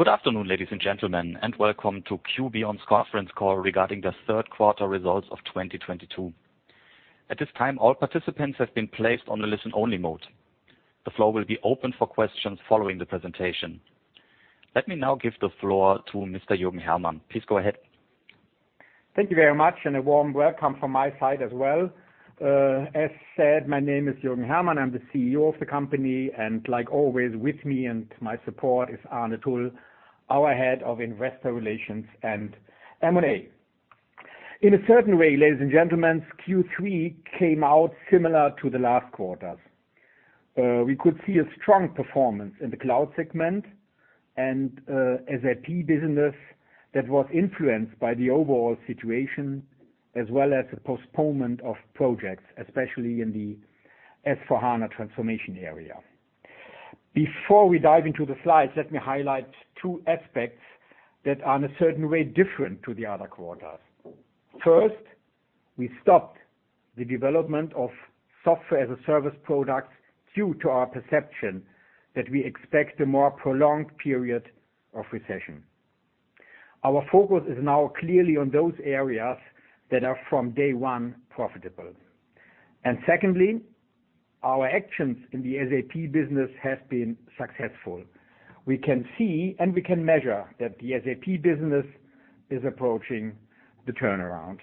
Good afternoon, ladies and gentlemen, and welcome to q.beyond's conference call regarding the third quarter results of 2022. At this time, all participants have been placed on a listen-only mode. The floor will be open for questions following the presentation. Let me now give the floor to Mr. Jürgen Hermann. Please go ahead. Thank you very much, and a warm welcome from my side as well. As said, my name is Jürgen Hermann, I'm the CEO of the company, and like always, with me and my support is Arne Thull, our head of investor relations and M&A. In a certain way, ladies and gentlemen, Q3 came out similar to the last quarters. We could see a strong performance in the cloud segment and SAP business that was influenced by the overall situation, as well as a postponement of projects, especially in the S/4HANA transformation area. Before we dive into the slides, let me highlight two aspects that are in a certain way different to the other quarters. First, we stopped the development of software-as-a-service products due to our perception that we expect a more prolonged period of recession. Our focus is now clearly on those areas that are from day one profitable. Secondly, our actions in the SAP business has been successful. We can see and we can measure that the SAP business is approaching the turnaround.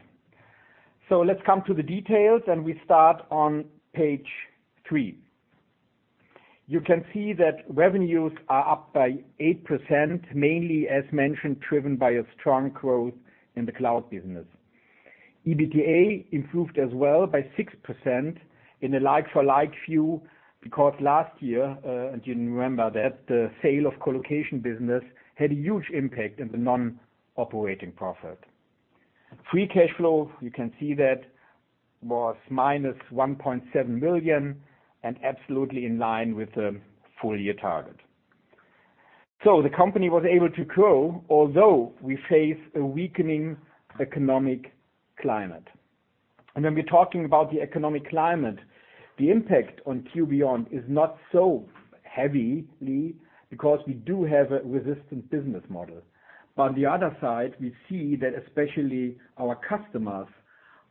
Let's come to the details, and we start on page three. You can see that revenues are up by 8%, mainly, as mentioned, driven by a strong growth in the cloud business. EBITDA improved as well by 6% in a like-for-like view, because last year, and you remember that the sale of colocation business had a huge impact in the non-operating profit. Free cash flow, you can see that was -1.7 million and absolutely in line with the full year target. The company was able to grow, although we face a weakening economic climate. When we're talking about the economic climate, the impact on q.beyond is not so heavily because we do have a resilient business model. On the other side, we see that especially our customers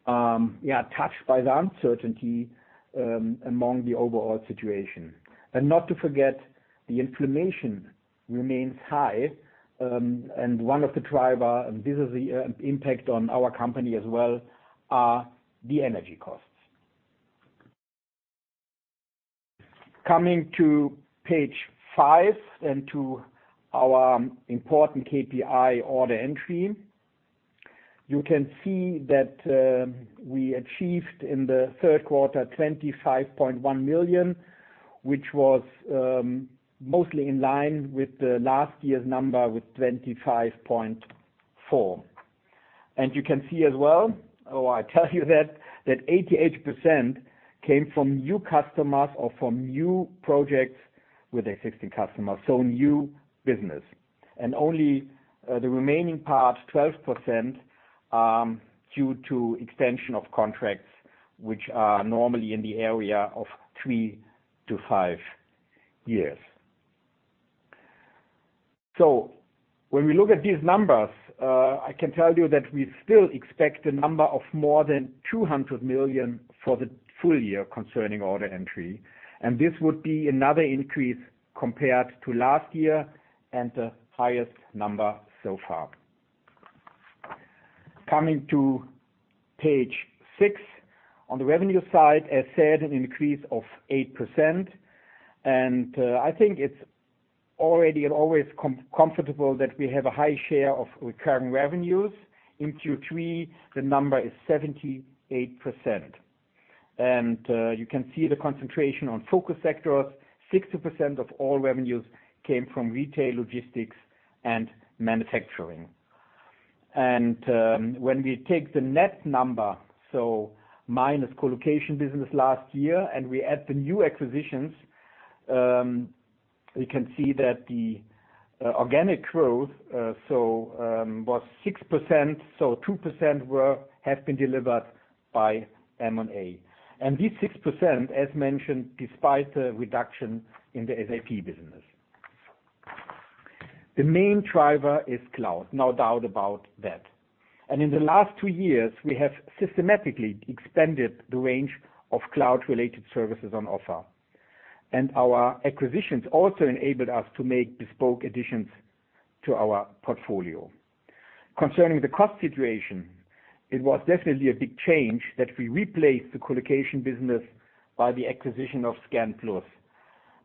touched by the uncertainty among the overall situation. Not to forget, the inflation remains high, and one of the drivers, and this is the impact on our company as well, are the energy costs. Coming to page five and to our important KPI order entry. You can see that we achieved in the third quarter 25.1 million, which was mostly in line with the last year's number with 25.4 million. You can see as well, or I tell you that that 88% came from new customers or from new projects with existing customers, so new business. Only, the remaining part, 12%, due to extension of contracts, which are normally in the area of three to five years. When we look at these numbers, I can tell you that we still expect a number of more than 200 million for the full year concerning order entry. This would be another increase compared to last year and the highest number so far. Coming to page six. On the revenue side, as said, an increase of 8%. I think it's already and always comfortable that we have a high share of recurring revenues. In Q3, the number is 78%. You can see the concentration on focus sectors. 60% of all revenues came from retail, logistics, and manufacturing. When we take the net number, so minus colocation business last year, and we add the new acquisitions, we can see that the organic growth was 6%, so 2% have been delivered by M&A. This 6%, as mentioned, despite the reduction in the SAP business. The main driver is cloud, no doubt about that. In the last two years, we have systematically expanded the range of cloud-related services on offer. Our acquisitions also enabled us to make bespoke additions to our portfolio. Concerning the cost situation, it was definitely a big change that we replaced the colocation business by the acquisition of scanplus.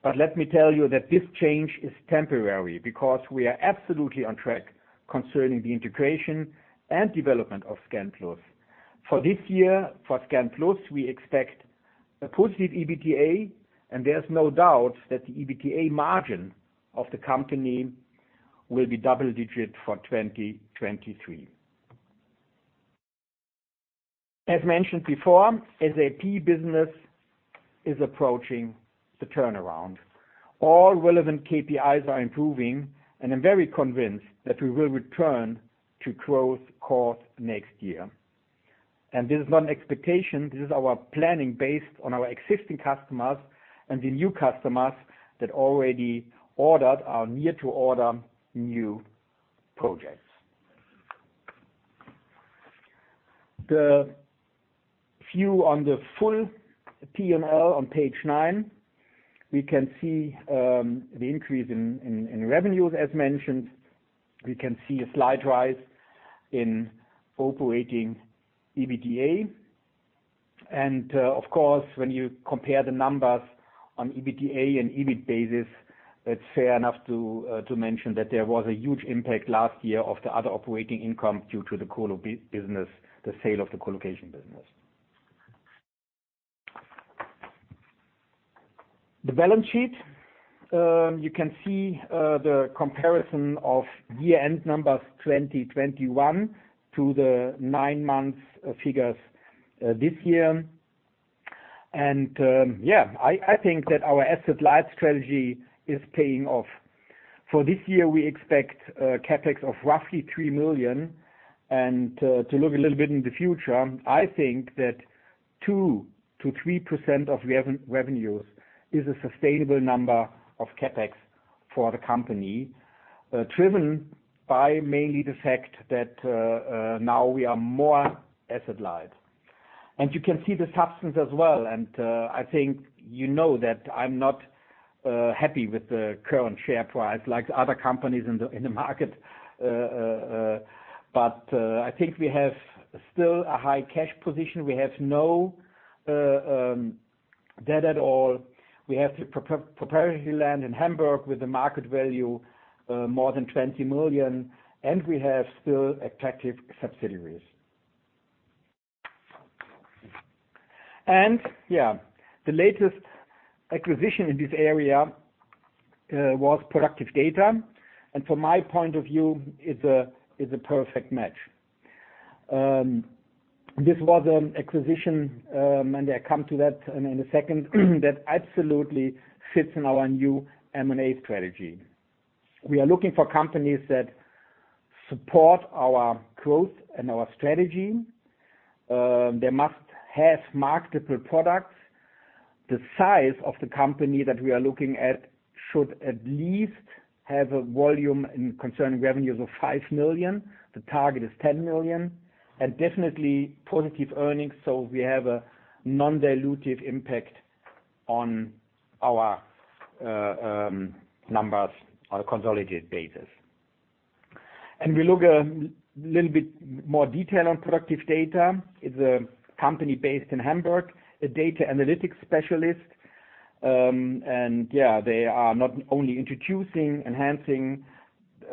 But let me tell you that this change is temporary because we are absolutely on track concerning the integration and development of scanplus. For this year, for scanplus, we expect a positive EBITDA, and there's no doubt that the EBITDA margin of the company will be double-digit for 2023. As mentioned before, SAP business is approaching the turnaround. All relevant KPIs are improving, and I'm very convinced that we will return to growth course next year. This is not an expectation, this is our planning based on our existing customers and the new customers that already ordered our near to order new projects. The view on the full P&L on page nine, we can see the increase in revenues, as mentioned. We can see a slight rise in operating EBITDA. Of course, when you compare the numbers on EBITDA and EBIT basis, it's fair enough to mention that there was a huge impact last year of the other operating income due to the colocation business, the sale of the colocation business. The balance sheet. You can see the comparison of year-end numbers 2021 to the nine months figures this year. Yeah, I think that our asset light strategy is paying off. For this year, we expect CapEx of roughly 3 million. To look a little bit in the future, I think that 2%-3% of revenues is a sustainable number of CapEx for the company, driven by mainly the fact that now we are more asset light. You can see the substance as well, and I think you know that I'm not happy with the current share price like other companies in the market. But I think we have still a high cash position. We have no debt at all. We have the property land in Hamburg with a market value more than 20 million, and we have still attractive subsidiaries. Yeah, the latest acquisition in this area was productive-data. From my point of view, it's a perfect match. This was an acquisition, and I come to that in a second, that absolutely fits in our new M&A strategy. We are looking for companies that support our growth and our strategy. They must have marketable products. The size of the company that we are looking at should at least have a volume concerning revenues of 5 million. The target is 10 million. Definitely positive earnings, so we have a non-dilutive impact on our numbers on a consolidated basis. We look a little bit more detail on productive-data. It's a company based in Hamburg, a data analytics specialist. They are not only introducing, enhancing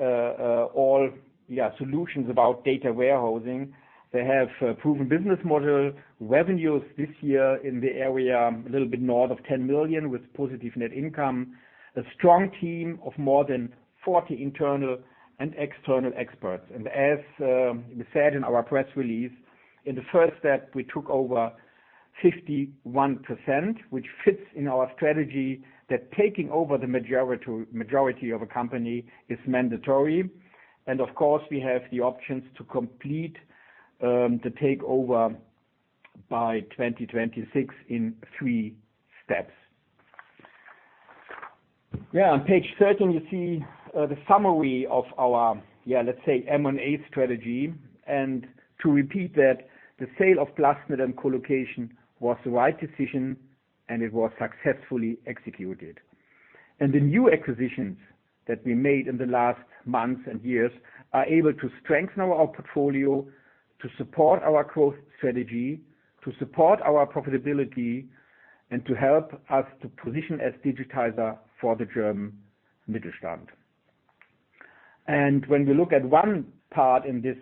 all solutions about data warehousing. They have proven business model, revenues this year in the area a little bit north of 10 million with positive net income, a strong team of more than 40 internal and external experts. As we said in our press release, in the first step, we took over 51%, which fits in our strategy that taking over the majority of a company is mandatory. Of course, we have the options to complete the takeover by 2026 in three steps. On page 13, you see the summary of our, let's say M&A strategy. To repeat that the sale of Plusnet and colocation was the right decision, and it was successfully executed. The new acquisitions that we made in the last months and years are able to strengthen our portfolio, to support our growth strategy, to support our profitability, and to help us to position as digitizer for the German Mittelstand. When we look at one part in this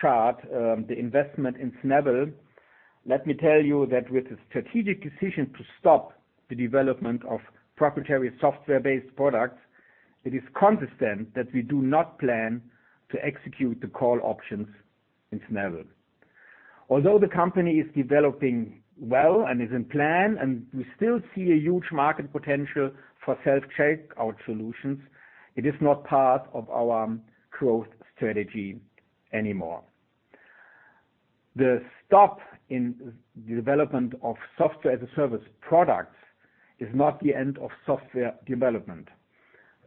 chart, the investment in Snabble, let me tell you that with a strategic decision to stop the development of proprietary software-based products, it is consistent that we do not plan to execute the call options in Snabble. Although the company is developing well and is in plan, and we still see a huge market potential for Self-Checkout solutions, it is not part of our growth strategy anymore. The stop in the development of software-as-a-service products is not the end of software development.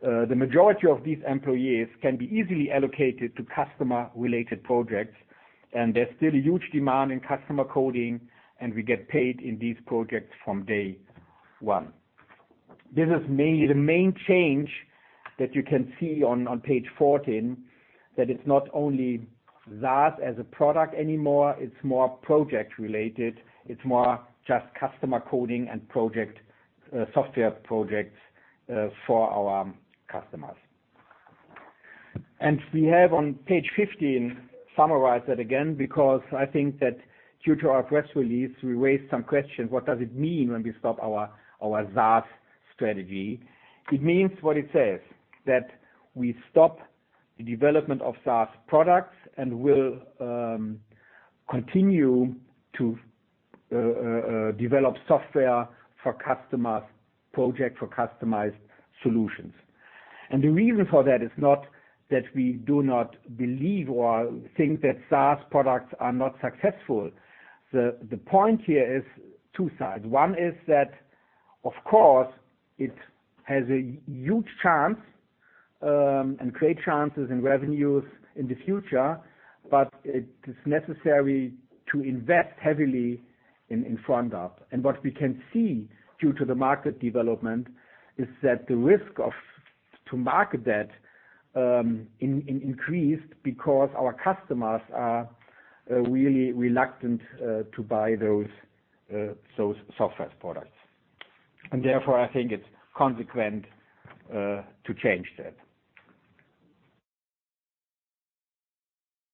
The majority of these employees can be easily allocated to customer-related projects, and there's still a huge demand in customer coding, and we get paid in these projects from day one. This is mainly the main change that you can see on page 14, that it's not only that as a product anymore, it's more project-related. It's more just customer coding and project software projects for our customers. We have on page 15, summarize it again, because I think that due to our press release, we raised some questions. What does it mean when we stop our SaaS strategy? It means what it says, that we stop the development of SaaS products and we'll continue to develop software for customers project for customized solutions. The reason for that is not that we do not believe or think that SaaS products are not successful. The point here is two sides. One is that, of course, it has a huge chance and create chances and revenues in the future, but it is necessary to invest heavily up front. What we can see due to the market development is that the risk to market that increased because our customers are really reluctant to buy those software products. Therefore, I think it's consequent to change that.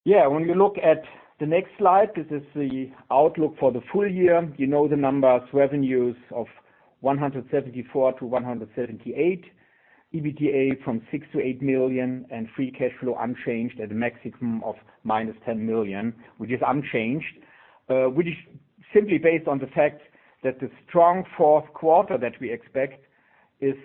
Yeah. When you look at the next slide, this is the outlook for the full year. You know the numbers, revenues of 174 million-178 million. EBITDA from 6 million-8 million, and free cash flow unchanged at a maximum of -10 million, which is unchanged, which is simply based on the fact that the strong fourth quarter that we expect is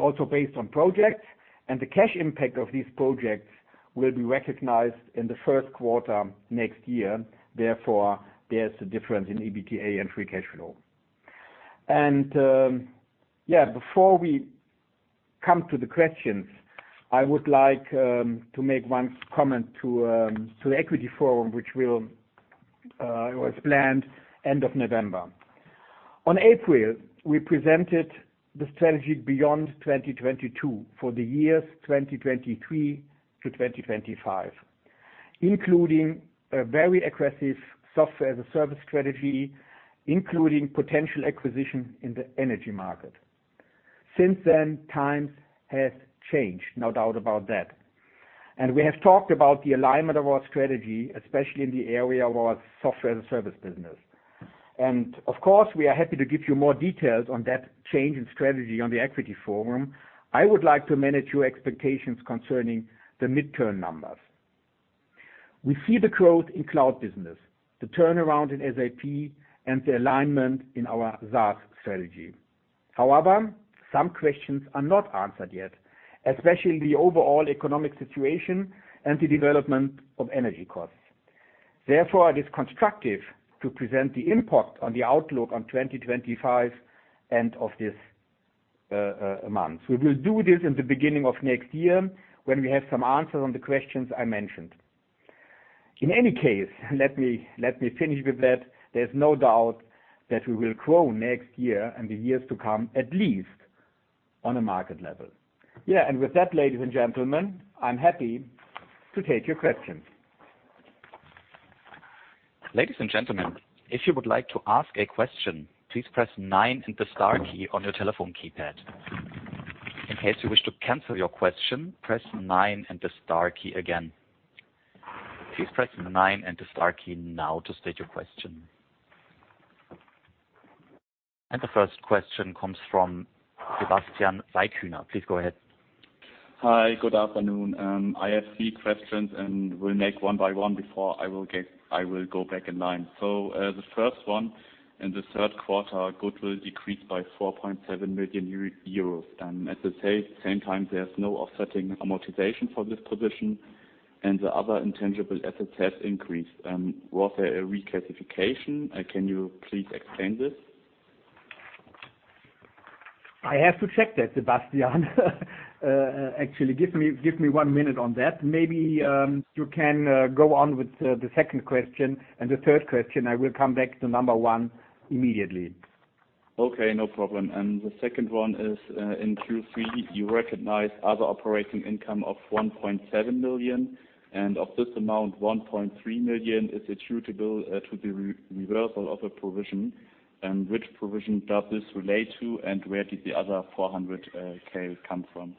also based on projects, and the cash impact of these projects will be recognized in the first quarter next year. Therefore, there's a difference in EBITDA and free cash flow. Before we come to the questions, I would like to make one comment to the German Equity Forum, which was planned end of November. On April, we presented the strategy beyond 2022 for the years 2023 to 2025, including a very aggressive software as a service strategy, including potential acquisition in the energy market. Since then, times have changed, no doubt about that. We have talked about the alignment of our strategy, especially in the area of our software and service business. Of course, we are happy to give you more details on that change in strategy on the Equity Forum. I would like to manage your expectations concerning the midterm numbers. We see the growth in cloud business, the turnaround in SAP and the alignment in our SaaS strategy. However, some questions are not answered yet, especially the overall economic situation and the development of energy costs. Therefore, it is constructive to present the impact on the outlook on 2025 end of this month. We will do this in the beginning of next year when we have some answers on the questions I mentioned. In any case, let me finish with that. There's no doubt that we will grow next year and the years to come, at least on a market level. Yeah. With that, ladies and gentlemen, I'm happy to take your questions. Ladies and gentlemen, if you would like to ask a question, please press nine and the star key on your telephone keypad. In case you wish to cancel your question, press nine and the star key again. Please press nine and the star key now to state your question. The first question comes from Sebastian Siekmann. Please go ahead. Hi, good afternoon. I have three questions, and we'll make one by one. I will go back in line. The first one, in the third quarter, goodwill decreased by 4.7 million euros. At the same time, there's no offsetting amortization for this position, and the other intangible assets has increased. Was there a reclassification? Can you please explain this? I have to check that, Sebastian. Actually, give me one minute on that. Maybe, you can go on with the second question and the third question. I will come back to number one immediately. Okay, no problem. The second one is in Q3, you recognize other operating income of 1.7 million, and of this amount, 1.3 million is attributable to the reversal of a provision. Which provision does this relate to, and where did the other 400,000 come from?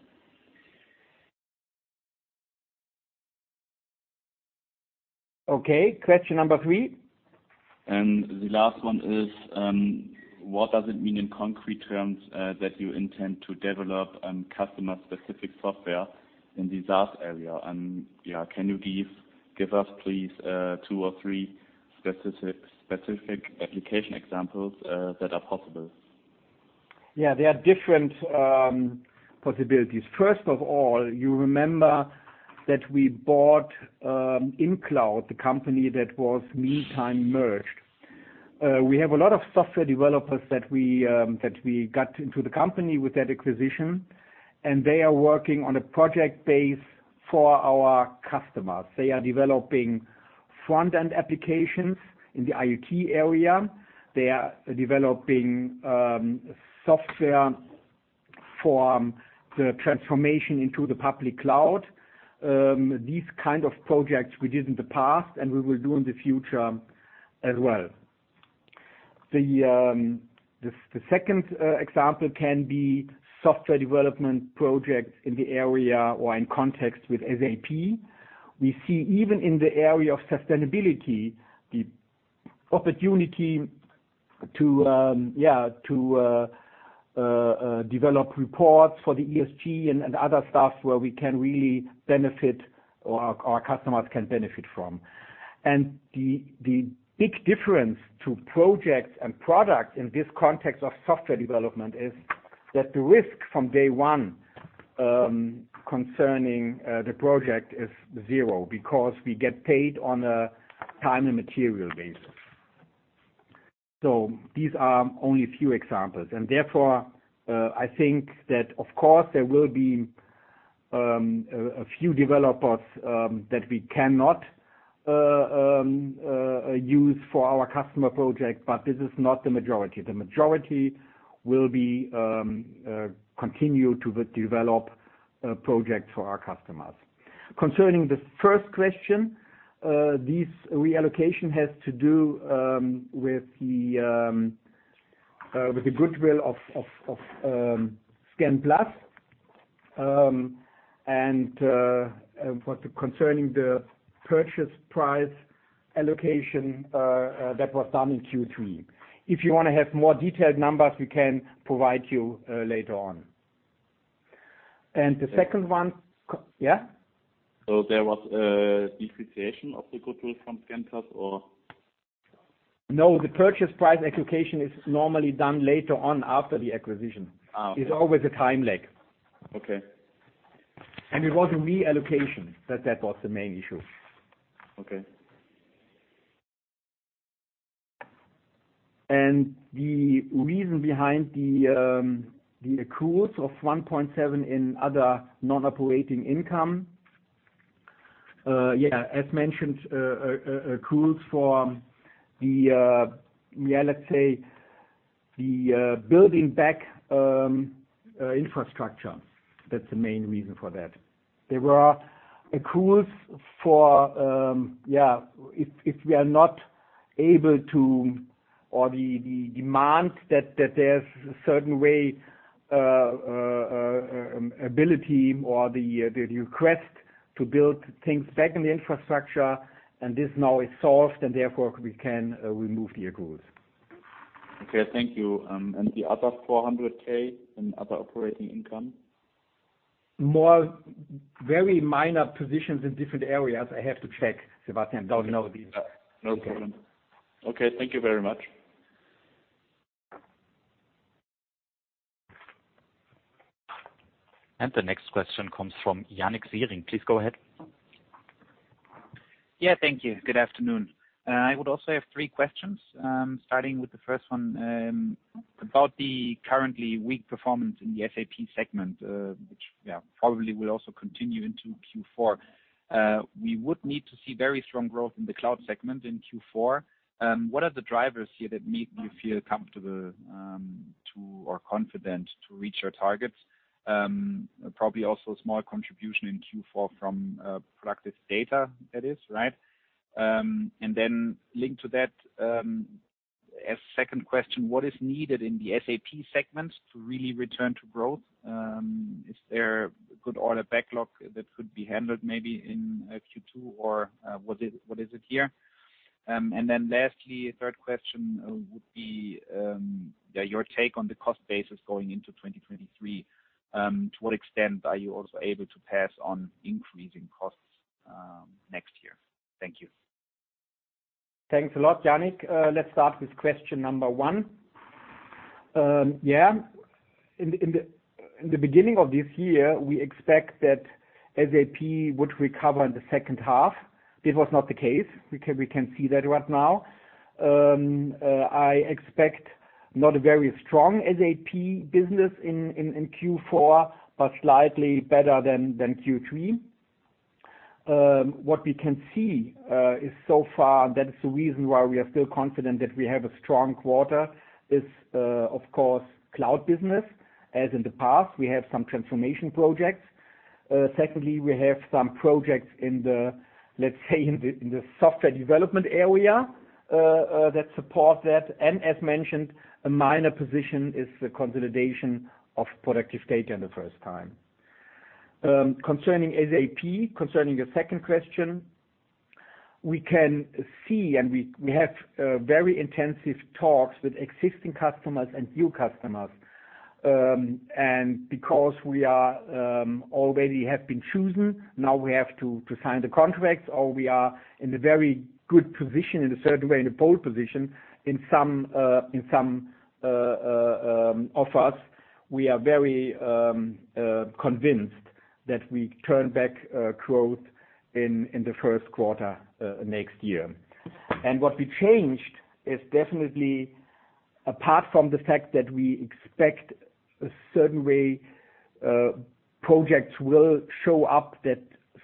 Okay, question number three. The last one is, what does it mean in concrete terms, that you intend to develop customer-specific software in the SaaS area? Yeah, can you give us please two or three specific application examples that are possible? Yeah, there are different possibilities. First of all, you remember that we bought Incloud, the company that was, in the meantime, merged. We have a lot of software developers that we got into the company with that acquisition, and they are working on a project basis for our customers. They are developing front-end applications in the IoT area. They are developing software for the transformation into the public cloud. These kind of projects we did in the past, and we will do in the future as well. The second example can be software development projects in the area or in context with SAP. We see even in the area of sustainability, the opportunity to develop reports for the ESG and other stuff where we can really benefit or our customers can benefit from. The big difference to projects and products in this context of software development is that the risk from day one concerning the project is zero because we get paid on a time and material basis. These are only a few examples. Therefore, I think that of course there will be a few developers that we cannot use for our customer project, but this is not the majority. The majority will continue to develop projects for our customers. Concerning the first question, this reallocation has to do with the goodwill of scanplus. And regarding the purchase price allocation that was done in Q3. If you wanna have more detailed numbers, we can provide you later on. The second one. Yeah. Yeah. There was a depreciation of the goodwill from scanplus, or? No, the purchase price allocation is normally done later on after the acquisition. Oh, okay. It's always a time lag. Okay. It was a reallocation that was the main issue. Okay. The reason behind the accruals of 1.7 million in other non-operating income, as mentioned, accruals for the, let's say the building back infrastructure. That's the main reason for that. There were accruals for, if we are not able to, or the demand that there's a certain way, ability or the request to build things back in the infrastructure, and this now is solved, and therefore we can remove the accruals. Okay. Thank you. The other 400,000 in other operating income? More very minor positions in different areas. I have to check, Sebastian, don't know these. Yeah. No problem. Okay. Thank you very much. The next question comes from Yannik Siering. Please go ahead. Thank you. Good afternoon. I would also have three questions, starting with the first one, about the currently weak performance in the SAP segment, which probably will also continue into Q4. We would need to see very strong growth in the cloud segment in Q4. What are the drivers here that make you feel comfortable or confident to reach your targets? Probably also small contribution in Q4 from productive-data, that is right? Linked to that, as second question, what is needed in the SAP segments to really return to growth? Is there good order backlog that could be handled maybe in Q2 or what is it here? Lastly, third question would be your take on the cost basis going into 2023. To what extent are you also able to pass on increasing costs next year? Thank you. Thanks a lot, Yannik. Let's start with question number one. In the beginning of this year, we expect that SAP would recover in the second half. This was not the case. We can see that right now. I expect not a very strong SAP business in Q4, but slightly better than Q3. What we can see so far, that is the reason why we are still confident that we have a strong quarter is, of course, cloud business. As in the past, we have some transformation projects. Secondly, we have some projects in the, let's say, software development area that support that. As mentioned, a minor position is the consolidation of productive-data in the first time. Concerning SAP, concerning your second question, we can see and we have very intensive talks with existing customers and new customers. Because we have already been chosen, now we have to sign the contracts, or we are in a very good position in a certain way, in a pole position. In some offers, we are very convinced that we turn back growth in the first quarter next year. What we changed is definitely apart from the fact that we expect in a certain way projects will show up that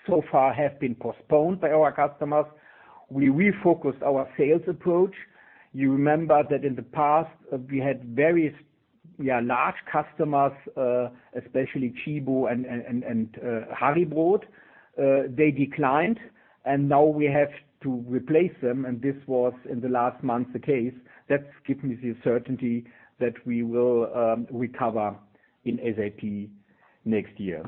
so far have been postponed by our customers. We refocused our sales approach. You remember that in the past, we had very large customers, especially Tchibo and Haribo. They declined, and now we have to replace them, and this was in the last month the case. That gives me the certainty that we will recover in SAP next year.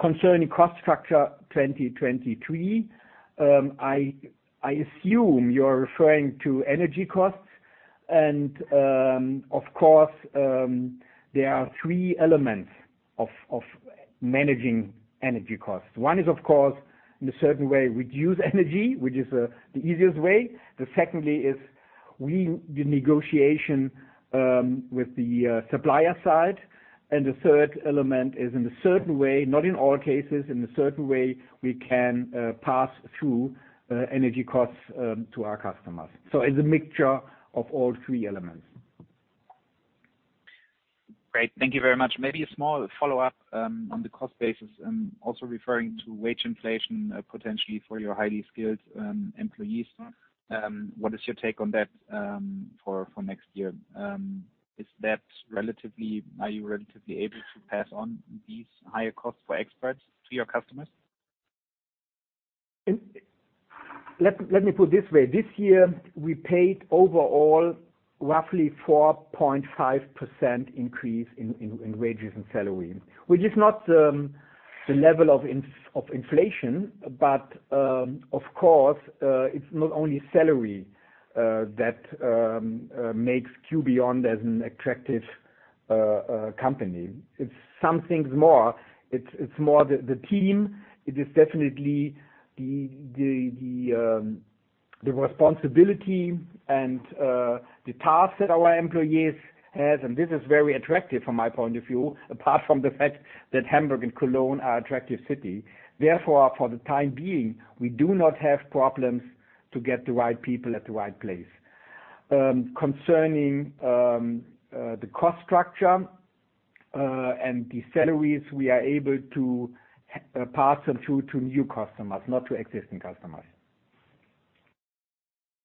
Concerning cost structure 2023, I assume you're referring to energy costs and, of course, there are three elements of managing energy costs. One is, of course, in a certain way, reduce energy, which is the easiest way. The secondly is the negotiation with the supplier side. The third element is in a certain way, not in all cases, in a certain way, we can pass through energy costs to our customers. It's a mixture of all three elements. Great. Thank you very much. Maybe a small follow-up on the cost basis and also referring to wage inflation, potentially for your highly skilled employees. What is your take on that for next year? Are you relatively able to pass on these higher costs for experts to your customers? Let me put this way. This year we paid overall roughly 4.5% increase in wages and salary, which is not the level of inflation. Of course, it's not only salary that makes q.beyond as an attractive company. It's something more. It's more the team. It is definitely the responsibility and the tasks that our employees has, and this is very attractive from my point of view, apart from the fact that Hamburg and Cologne are attractive city. Therefore, for the time being, we do not have problems to get the right people at the right place. Concerning the cost structure and the salaries, we are able to pass them through to new customers, not to existing customers.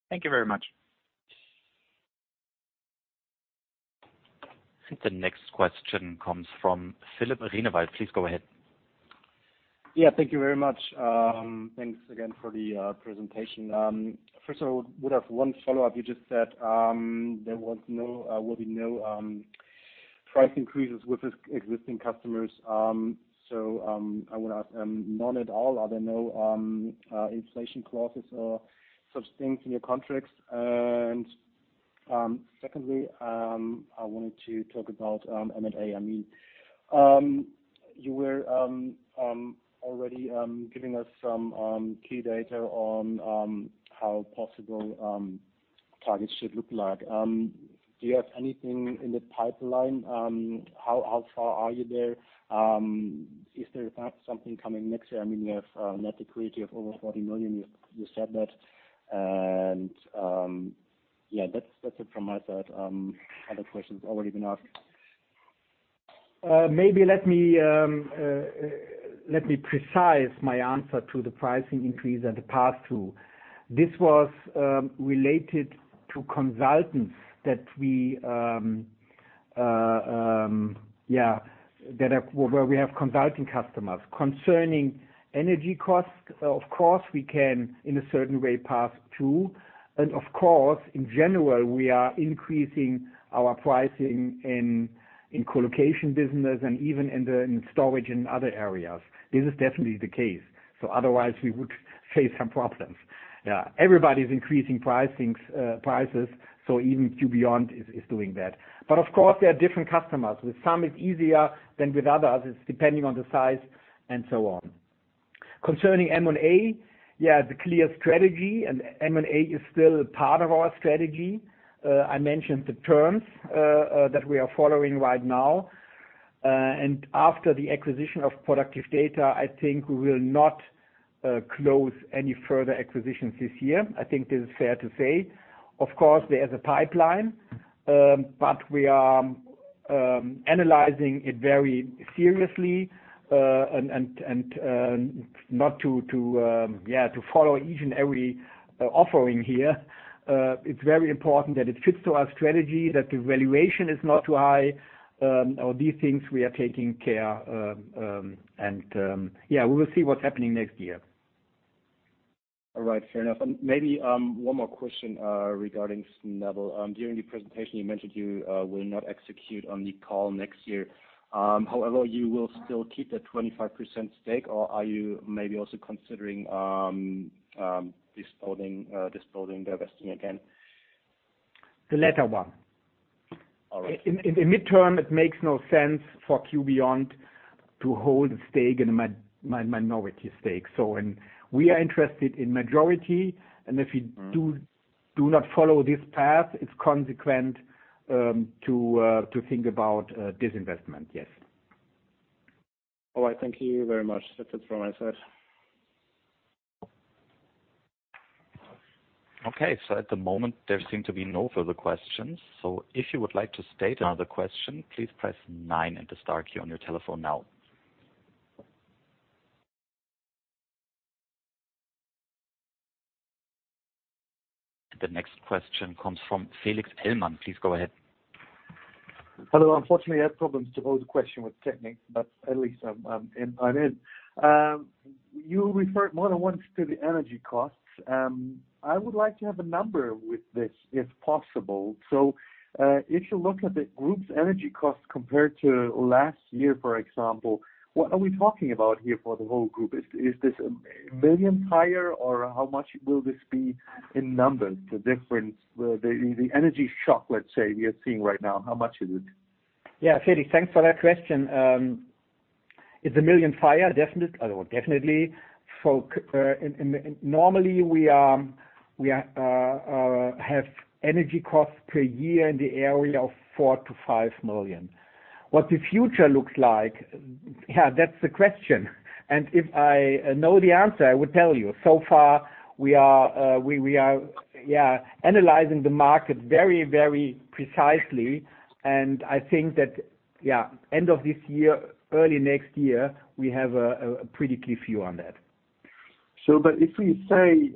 Thank you very much. The next question comes from Philipp Sennewald. Please go ahead. Yeah. Thank you very much. Thanks again for the presentation. First I would have one follow-up. You just said there will be no price increases with existing customers. So I want to ask, none at all. Are there no inflation clauses or such things in your contracts? Secondly, I wanted to talk about M&A. I mean, you were already giving us some key data on how possible targets should look like. Do you have anything in the pipeline? How far are you there? Is there, in fact, something coming next year? I mean, you have net liquidity of over 40 million. You said that. Yeah, that's it from my side. Other questions already been asked. Maybe let me precise my answer to the pricing increase and the pass-through. This was related to consultants where we have consulting customers. Concerning energy costs, of course, we can, in a certain way, pass through. Of course, in general, we are increasing our pricing in colocation business and even in the storage in other areas. This is definitely the case. Otherwise we would face some problems. Everybody is increasing prices, so even q.beyond is doing that. Of course, there are different customers. With some it's easier than with others. It's depending on the size and so on. Concerning M&A, the clear strategy and M&A is still part of our strategy. I mentioned the terms that we are following right now. After the acquisition of productive-data, I think we will not close any further acquisitions this year. I think this is fair to say. Of course, there's a pipeline, but we are analyzing it very seriously, and not to follow each and every offering here. It's very important that it fits to our strategy, that the valuation is not too high, or these things we are taking care. We will see what's happening next year. All right, fair enough. Maybe one more question regarding Snabble. During the presentation you mentioned you will not execute on the call next year. However, you will still keep the 25% stake, or are you maybe also considering disposing the investment again? The latter one. All right. In the midterm, it makes no sense for q.beyond to hold a stake in a minority stake. When we are interested in majority, and if we do not follow this path, it's consequent to think about disinvestment. Yes. All right. Thank you very much. That's it from my side. Okay. At the moment, there seem to be no further questions. If you would like to state another question, please press nine and the star key on your telephone now. The next question comes from Felix Ellmann. Please go ahead. Hello. Unfortunately, I had problems to hold a question with technique, but at least I'm in. You referred more than once to the energy costs. I would like to have a number with this, if possible. If you look at the group's energy costs compared to last year, for example, what are we talking about here for the whole group? Is this 1 million higher, or how much will this be in numbers, the difference, the energy shock, let's say, we are seeing right now, how much is it? Yeah. Felix, thanks for that question. It's EUR 1 million higher, definitely. Normally, we have energy costs per year in the area of 4 million-5 million. What the future looks like, that's the question. If I know the answer, I would tell you. We are analyzing the market very precisely, and I think that end of this year, early next year, we have a pretty clear view on that. If we say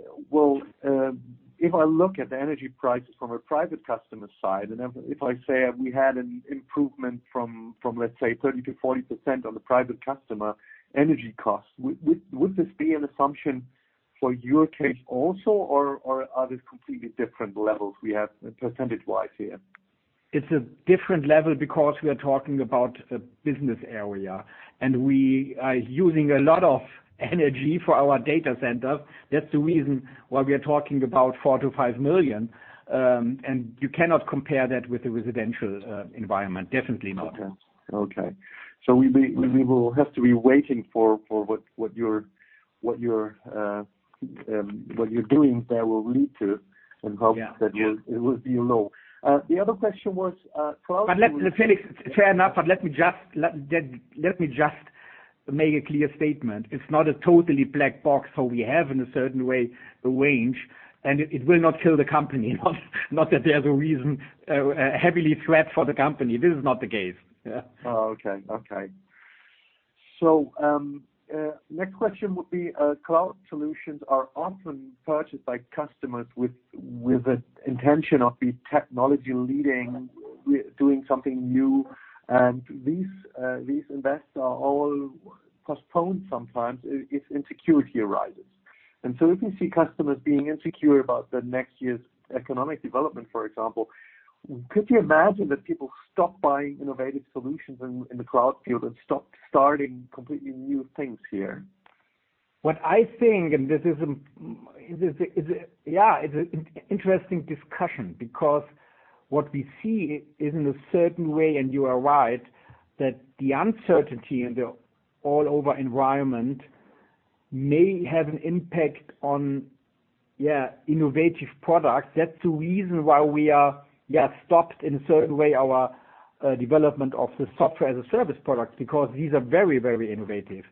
if I look at the energy prices from a private customer side, and if I say we had an improvement from let's say 30%-40% on the private customer energy costs, would this be an assumption for your case also or are these completely different levels we have percentage-wise here? It's a different level because we are talking about a business area, and we are using a lot of energy for our data centers. That's the reason why we are talking about 4 million-5 million, and you cannot compare that with a residential environment. Definitely not. Okay. We will have to be waiting for what you're doing there will lead to, hope that it will be low. The other question was, cloud- Felix, fair enough, let me just make a clear statement. It's not a totally black box, so we have, in a certain way, a range, and it will not kill the company. Not that there's a reason, heavy threat for the company. This is not the case. Yeah. Okay. Next question would be, cloud solutions are often purchased by customers with the intention of the technology leading, doing something new. These investments are all postponed sometimes if insecurity arises. If you see customers being insecure about the next year's economic development, for example, could you imagine that people stop buying innovative solutions in the cloud field and stop starting completely new things here? What I think is an interesting discussion because what we see is, in a certain way, and you are right, that the uncertainty in the overall environment may have an impact on innovative products. That's the reason why we are stopped in a certain way our development of the software-as-a-service product, because these are very innovative.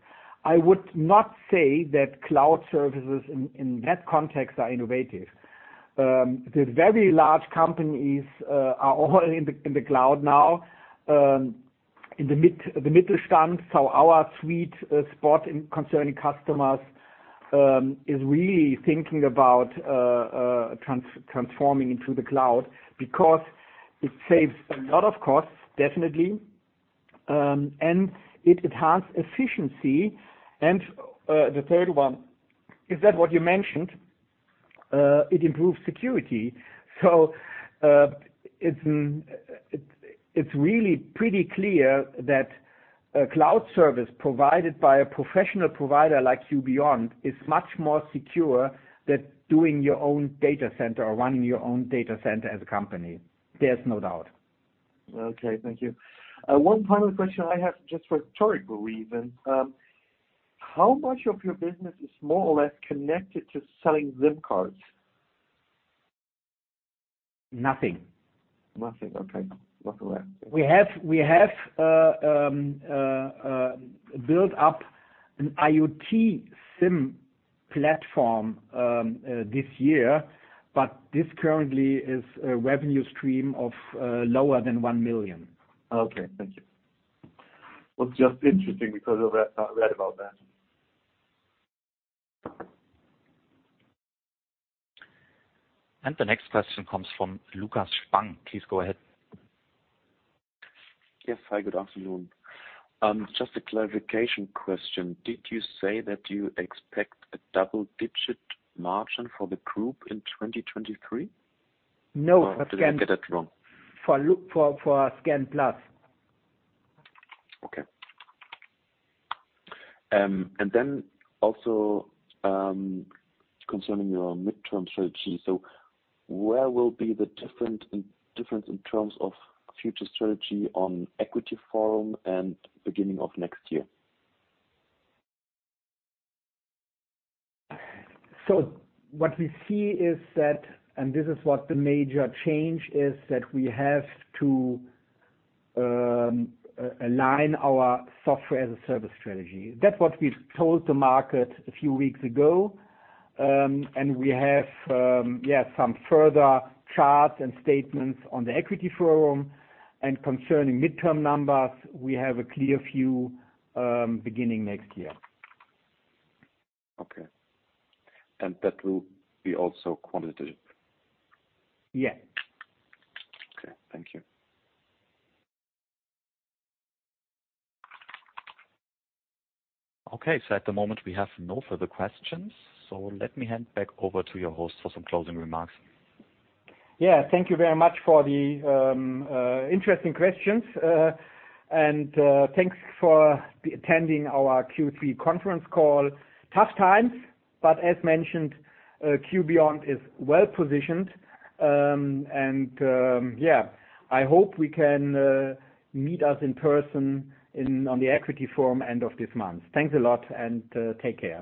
I would not say that cloud services in that context are innovative. The very large companies are all in the cloud now, in the Mittelstand. So our sweet spot concerning customers is really thinking about transforming into the cloud because it saves a lot of costs, definitely, and it enhances efficiency. The third one, is that what you mentioned? It improves security. It's really pretty clear that a cloud service provided by a professional provider like q.beyond is much more secure than doing your own data center or running your own data center as a company. There's no doubt. Okay, thank you. One final question I have just for rhetorical reasons. How much of your business is more or less connected to selling SIM cards? Nothing. Nothing. Okay. Not aware. We have built up an IoT SIM platform this year, but this currently is a revenue stream of lower than 1 million. Okay. Thank you. Well, it's just interesting because I read about that. The next question comes from Lukas Spang. Please go ahead. Yes. Hi, good afternoon. Just a clarification question. Did you say that you expect a double-digit margin for the group in 2023? No, for scanplus. Did I get that wrong? For, for scanplus. Okay. Then also, concerning your midterm strategy. Where will be the difference in terms of future strategy on German Equity Forum and beginning of next year? What we see is that, and this is what the major change is, that we have to align our software-as-a-service strategy. That's what we told the market a few weeks ago, and we have, yeah, some further charts and statements on the Equity Forum, and concerning midterm numbers, we have a clear view, beginning next year. Okay. That will be also quantitative? Yeah. Okay. Thank you. Okay. At the moment, we have no further questions, so let me hand back over to your host for some closing remarks. Yeah. Thank you very much for the interesting questions. Thanks for attending our Q3 conference call. Tough times, but as mentioned, q.beyond is well positioned. I hope we can meet you in person on the Equity Forum end of this month. Thanks a lot, take care.